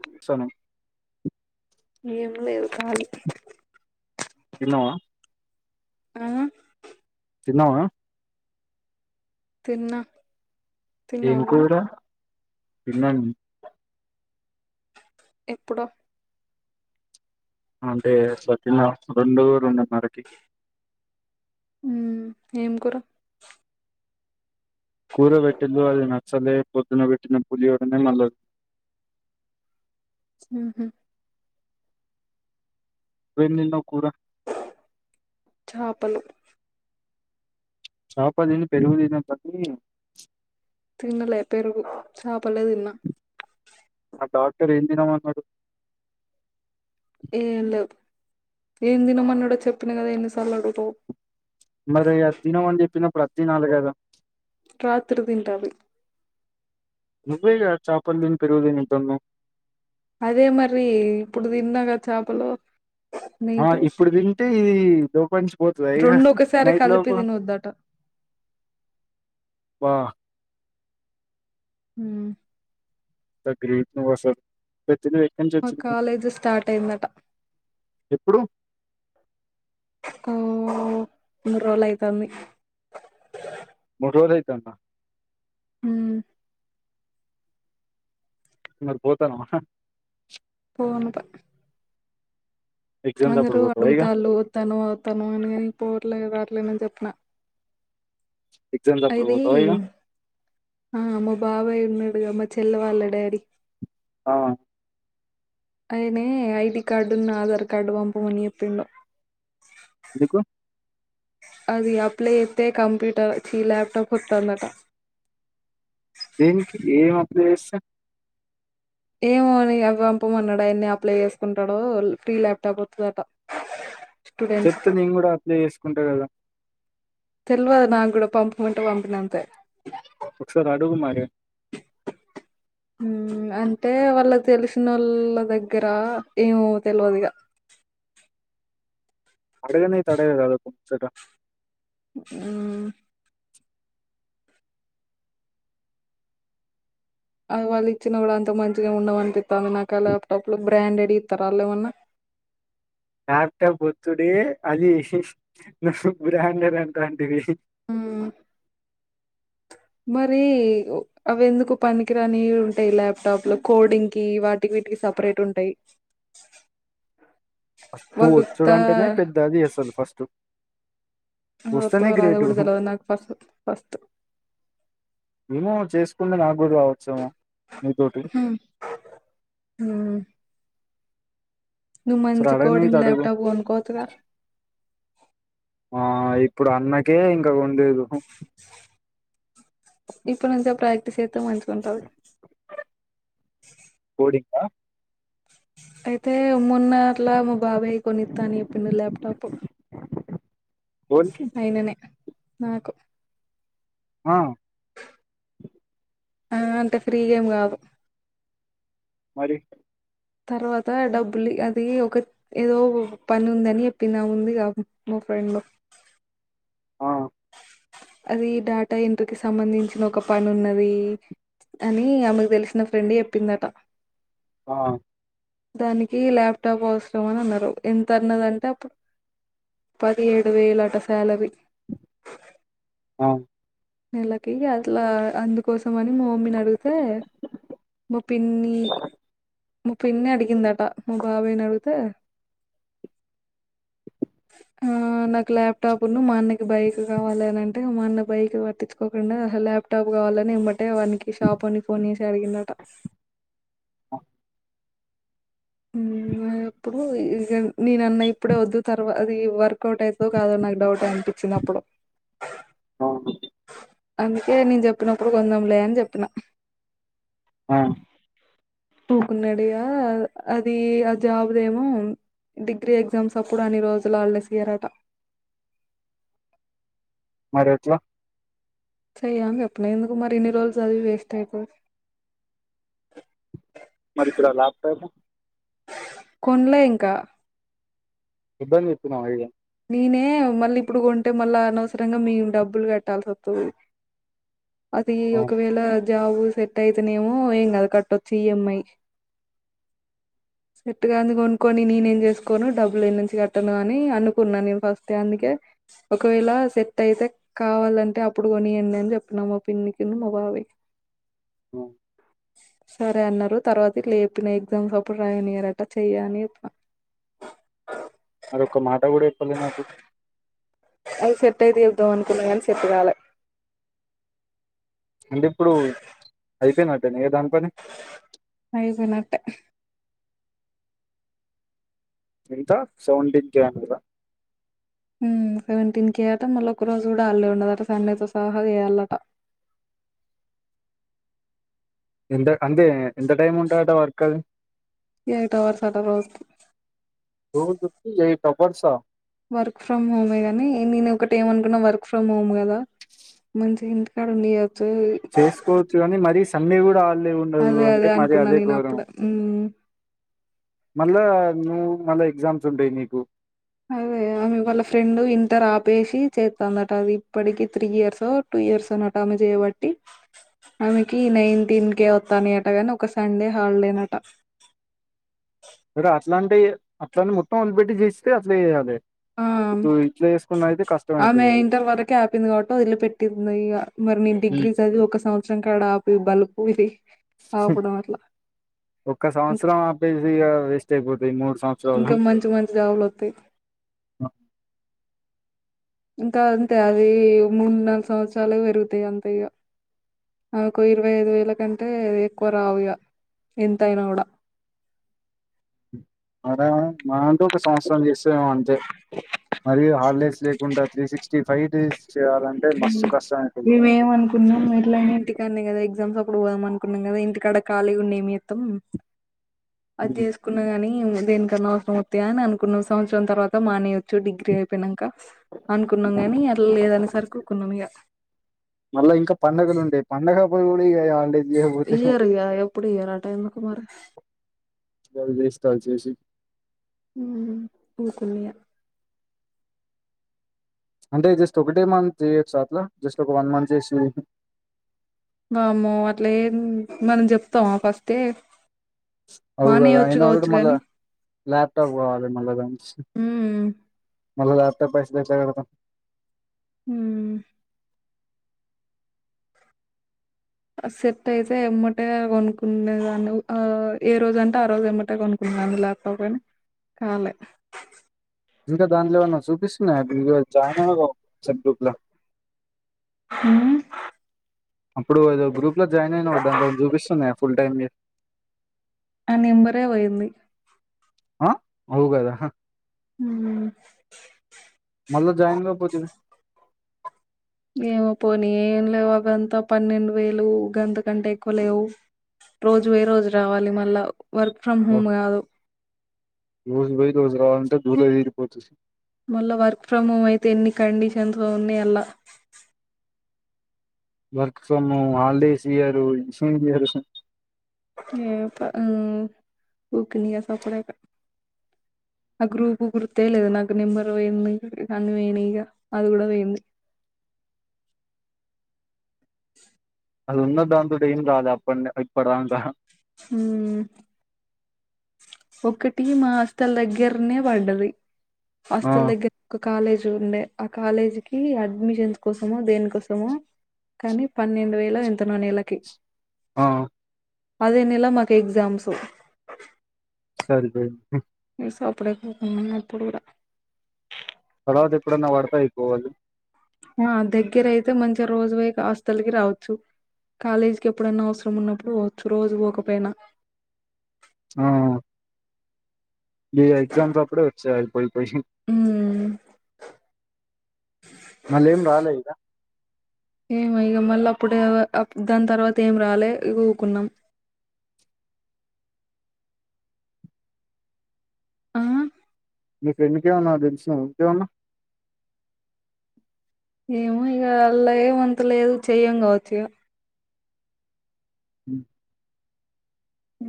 ఏం చేస్తున్నావ్?. ఏం లేదు కాలీ. తిన్నావా. ఆ. తిన్నావా. తిన్న. ఏం కూర తిన్నది. ఎప్పుడు. అంటే పొద్దున్న రెండు రెండున్నరకి. ఏం కుర. కూరపెట్టిండ్రు అది నచ్చలే పొద్దున బెట్టిన పులిహోరనే మల్ల. హహ. నువ్వేం తిన్నావ్ కూర. చేపలు. చేపదిని పెరుగుదినవా. తినలే పెరుగు చాపలే తిన్న. ఆ డాక్టర్ ఏం తినమన్నాడు. ఏం లేవు ఏం తినమన్నాడో చెప్పిన కదా ఎన్నిసార్లు అడుగుతావు. మరి ఆదితిన్న తినమని చెప్పినప్పుడు అది తినాలి కదా. రాత్రి తింటా అది. నువ్వేగా చాపల్ తిని పెరుగు తినిందన్నావ్. అదే మరి ఇప్పుడు తిన్నాగా చేపలు. ఆ నీటు ఇప్పుడు తింటే ఇ దోపంచి పోతుంద ఇక రెండు ఒకసారి నైట్ కలిపి లోపు. తినొద్దట అబ్బా. హ. ఎంత గ్రేట్ నువ్వు అసలు పెద్దది వేకెన్సీ మా ఒచ్చంది. కాలేజ్ స్టార్ట్ అయిందట ఆ మూరోలు అయితంది మూడ్ రోలు అయితందా హు మరి పోతన్నావా పోను ప ఎగ్జామ్స్ అందరూ అప్పుడు పోతావా ఇగ అడుగుతాళ్ళు తను తను అన్గాని పోట్లే రాట్లే నాన్ జేప్పిన ఎగ్జామ్స్ అ అప్పుడు ఇదీ పోతావా ఇగ ఆ మా బాబాయ్ ఉన్నాడుగా మా చెల్లె వాళ్ళ డాడీ ఆ అయినే ఐడి కార్డు ఉన్న ఆధార్ కార్డు వంప్పమనీ ఎప్పిండు ఎందుకు ఆది అప్లై ఎత్తే కంప్యూటర్ ఈ లాప్టాప్ ఒత్తంది అటా దేనికి ఏవ్ అప్లై ఎషా ఏవో నీ అవ్ వంపుమన్నాడు అయిన్నే అప్లై ఎస్కుంటాడో ఫ్రీ లాప్టాప్ ఒత్తదట చెప్తే నేన్ గూడా అప్లై ఎస్సుకుంటా గదా తెల్వద్ నా గూడా పంపుమంటే వంపినా అంతే ఒక్సారి అడుగు మరి హు అంటే వాళ్ళ తెల్సిషి నో ళ్ళ దెగ్గర ఏవో తెల్వద్ ఇగ అడగనేతే అడగాదా ఒక ముచ్చట ఊ అవి వాళ్ళు ఇచ్చిన గూడా అంత మంచిగేమ్ ఉండదనిపితంది నాకు ఆ లాప్టాప్లు బ్రాండెడ్ ఇత్తరా ఏమన్నా లాప్టాప ఒచ్చుడే అది బ్రాండెడ్ది అంటంటివి మరీ అవి ఎందుకు పనికిరానివి ఉంటే లాప్టాప్లు కోడింకీ వాట్ టివిటికి సప్రేట్ ఉంటే ఫస్టు ఒచ్చుడు అంటేనే పెద్ద అది అసలు ఫస్టు అద్ ఒత్తదో రాదోగుడ తెల్వద్ నాకు ఫస్ట్ ఫస్ట్ ఏమో చేస్కుంటే నాక్ గుడ్ రావచ్చేమో నీతోటి హు ఊ నువ్ ఒకసారి మంచి అడగనైతే కోడింగ్ అడుగు లాప్టాప్ గొనుకోచ్చుగా ఆ ఇప్పుడు అన్నకే ఇంకా గొన్లేదు ఇప్పు నుంచే ప్రాక్టీస్ఎతే మంచిగుంటది కోడింగ్ ఆ అయితే మొన్న ట్లా మా బాబాయ్ కొనితా అని ఎప్పిండు లాప్టాపు [unintelligible] అయిననే నాకు ఆ ఆ అంటే ఫ్రీ గేమ్ గాదు మరి తర్వాత డబ్బులు ఈ అది ఒక ఏదో పని ఉందని ఎప్పినా ఆమె ముందిగా మా ఫ్రెండు ఆ అది డేటా ఎంట్రీకిి సంబంధించిన ఒక పని ఉన్నది కాని ఆమెకు తెలిసిన ఫ్రెండు చెప్పిందట ఆ దానికి ల్యాప్టాప్ అవసరం అని అన్నారు ఎంత అన్నదంటే అప్పుడు పదిహేడు వేలు అట శాలరి ఆ నెలకి అట్లా అందుకోసమని మా మమ్మీని అడిగితే మా పిన్నీ మా పిన్ని అడిగిందట మా బాబాయిని అడుగుతే ఆ నాకు ల్యాప్టాప్లు మా అన్నకి బైక్ కావాలి అని అంటే మా అన్న బైక్ తెచ్చుకోకుండా హా ల్యాప్టాప్ కావాలని ఎమ్మటే వానికి షాప్ వోనికి ఫోన్ చేసి అడిగిండట హా [unintelligible] అప్పుడు ఇగ నేను అన్నా ఇప్పుడే వద్దు తర్వా అది వర్కౌట్ అయితదో కాదో నాకు డౌట్ అనిపిచ్చింది అప్పుడు, అవును అందుకే నేను చెప్పినప్పుడు కొందాంలే అని చెప్పిన హా ఊకున్నడిగా అది ఆ జాబుదేమో డిగ్రీ ఎగ్జామ్స్ అప్పుడు అన్ని రోజులు హాల్ డేస్ ఇయరట మరి ఎట్లా సదివిగాని అప్పుడే ఎందుకు మరి ఇన్ని రోజుల్ చదివి వేస్ట్ అయిపో మరి ఇప్పుడు ఆ ల్యాబ్ టైము కొన్లే ఇంకా ఇబ్బంది చేత్తున్నావా ఇది నేనే మళ్ళీ ఇప్పుడు కొంటే మళ్ళీ అనవసరంగా మేము డబ్బులు కట్టాల్సి వత్తది అది అవును ఒకవేళ జాబ్ సెట్ అయితేనేమో ఏం కాదు కట్టొచ్చు ఈ ఎమ్ ఐ సెట్ కాంది కొనుక్కొని నేనేం చేసుకోను డబ్బులు ఏడునుంచి కట్టను అని అను కున్నా నేను ఫస్టే అందుకే ఒకవేళ సెట్ అయితే కావాలంటే అప్పుడు కొనియండి అని చెప్పిన మా పిన్నికిను మా బాబాయ్ ఆ సరే అన్నారు తర్వాత ఇట్ల చెప్పిన ఎగ్జామ్స్ అప్పుడు రాయనియ్యరట చెయ్యి అని చెప్పినా అదొక మాట కూడా చెప్పలే నాకు అది సెట్ అయితే చెప్దాం అనుకున్నా కానీ సెట్టుగాలే అంటే ఇప్పుడు అయిపోయినట్టేనా ఇగ దాని పని అయిపోయినట్టే ఇంకా సెవెంటీన్ కే అమ్మిరా హ్మ్ సెవంటీన్ కే అట మళ్ళీ ఒక్క రోజు కూడా హాల్డే ఉండదు అట సండేతో సహా చేయ్యల్లట ఎంత అంతే ఎంత టైం ఉంటదట వర్క్ అది ఎయిట్ అవర్స్ అట రోజుకి రోజుకి ఎయిట్ హవర్సా వర్క్ ఫ్రమ్ హోమే గాని నేను ఒకటి ఏమనుకున్నా వర్క్ ఫ్రమ్ హోమ్ కదా మంచిగింటికాడ చేయొచ్చు చేసుకోవచ్చు కానీ మరీ సండే కూడా హాలిడే ఉండదు అదే అంటే మరీ అనుకున్నా అదే నేను ఘోరం అప్పుడే హ్మ్. మళ్ళా నువ్వు మళ్ళా ఎగ్జామ్స్ ఉంటాయి నీకు అదే ఆమె వాళ్ళ ఫ్రెండ్ ఇంటర్ ఆపేసి చేస్తాందట అది ఇప్పటికీ త్రీ ఇయర్స్ టూ ఇయర్స్ అట ఆమె చేయబట్ ఆమెకి నైన్టీన్కే వత్తన్నాయట అట గాని ఒక సండే హాలిడే నట సరే అట్లా అంటి అట్లానే మొత్తం వొదిపెట్టి చేస్తే అట్లా చేయాలి ఆ! ఇటు ఇట్లా చేసుకు అయితే కష్ట ఆమె ఇంటర్ వరకే ఆపింది కాబట్టి వదిలు పెట్టిందిక మరి నేను ఉమ్. డిగ్రీస్ అది ఒక సంవత్సర ఉచ్చంకాడ ఆపి బలు పూరి ఆపడం అట్లా ఒక్క ఇంక్ సంవత్సర ఆపేసిగా వేస్ట్ అయిపోతాంది మూడు సంవత్సర ఇంకా మంచి మంచి జాబులొత్తయ్ అ ఇంకా అంతే అది మూడు నాలుగు సంవత్సరాలు పెరుగుతాయి అంతే ఇక ఆ ఒక ఇరవై ఐదు వేల కంటే ఎక్కువ రావు ఇగా ఎంతయినా కూడా అద మనంటూ ఒక సంవత్సరం చేస్తేము అంతే మరి హాలిడేస్ లేకుండా three sixty five days చేయాల ఉమ్ మేమనకు కున్నాం ఎట్లనా ఇంటికానే కద ఎగ్జామ్స్ అప్పుడు పోదం అనుకున్నాం కదా ఇంటికాడ ఖాళీ ఉండి ఏంచేస్తాం అద్ చేస్ కున్న గాని దేనికన్నా అవసరం వా అని అనుకున్న సంవత్సరం తర్వాత మానేయొచ్చు డిగ్రీ అయిపోయినంక అనుకున్నాం కాని అట్లా లేదనేసరికి ఊరుకున్నాం ఇక మళ్ళా ఇంకా పండుగలు ఉండే పండగప్పుడు గూడ ఇయ్యఅండి ఇయ్యరు ఇంక ఎప్పుడు ఇయ్యరు ఆ టైమ్కు మరి [unintelligible] చేసి ఊకుల్లో అంటే జస్ట్ ఒకటే మంత్ చేయొచ్చా అట్లా జస్ట్ ఒక వన్ మంత్ చేసి వామ్మో అట్లే మనం చెప్తామా ఫస్ట్ అవుగాద అయినా గూడ మళ్ళ గాని ల్యాప్టాప్ కావాలి మళ్ళా ద మ్మ్ [inaudible] మళ్ళీ ల్యాప్టాప్ పైసలెట్లా కడతాం హ సెట్ అయితే ఎమ్మటే కొనుక్కునేదాన్ని ఆ ఏ రోజు అంటే ఆ రోజు ఎమ్మటే కొనుక్కుంటుదాం లేక అవేం కాలే ఇంకా దాంట్లో ఏమన్నా చూపిస్తున్నాయా [unintelligible] జాయిన్ అవ్వలా గ్రూప్ లో హ అప్పుడు ఏదో గూప్లో జాయిన్ అయిన ఒక దాంట్లో చూపిస్తున్నాయి ఫుల్ టైమ్ మీ ఆ నెంబరే పోయింది ఆ అవుగదా ఉ మళ్ళా జాయిన్ కాకపోతివి ఏమో పోనీ ఏం లేవు గంతా పన్నెండు వేలు గంతకంటే ఎక్కువ లేవు రోజు ఏ రోజు రావాలి మళ్ళా వర్క్ ఫ్రమ్ హోమ్ కాదు రోజు పోయి తోలుకురావాలంటే దూల తీరిపోతుంది మళ్ళా వర్క్ ఫ్రమ్ హోమ్ అయితే ఎన్ని కండిషన్స్ తో ఉన్నాయి అలా వర్క్ ఫ్రమ్ హాలిడేస్ ఇయరు ఇచ్చి ఇయరు ఏ పగులుము ఉక్కడే సప్పుడే కన్ ఆ గ్రూపు గుర్తే లేదు నాకు నెంబరు ఏమున్నాయి అన్నీ పోయినాయి ఇగ అది కూడా పోయింది అది ఉన్న దాంతోటి ఏం రాదు అప్ప ఇప్పటి దాకా ఊ ఒకటి మా హాస్టల్ దగ్గరనే పడ్డది ఆ హాస్టల్ దగ్గరే ఒక కాలేజ్ ఉండే ఆ కాలేజీ కి అడ్మిషన్స్ కోసమో దేనికోసమో కానీ పన్నెండు వేలో ఎంతో నో నెలకి ఆ అదే నెల మాకు ఎగ్జామ్స్ సరిపోయింది మిస్ అప్పుడు కాకున్న ఇప్పుడే రా తర్వాత ఎప్పుడన్నా పడతాయి అయిపోవాలి మ దగ్గర అయితే మంచి రోజు లు కాస్త తొలీగి రావచ్చు కాలేజీకి ఎప్పుడైనా అవసరం ఉన్నప్పుడు రోజు పోకపోయినా ఆ ఈ ఎగ్జామ్స్ అప్పుడే వచ్చ పోయిపోయి ఉమ్ మళ్లీ ఎమ్ రాలే ఇక ఏమి ఇగ మల్ల అప్పుడే దాని తర్వాత ఏం రాలే ఇగ ఊకున్నాం ఆ నీ ఫ్రెండ్ కే ఏమైనా తెలుసా [unintelligible] ఏమో ఇగ అల ఏం అంత లేదు చేయం కావచ్చు అ ఉ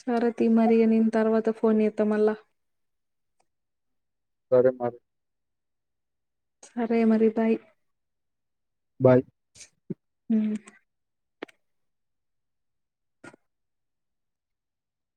సరే తీ మరిగ నిన్ తర్వాత ఫోన్ చేత మల్లా సరే మరి సరే మరి బాయ్ బాయ్ హ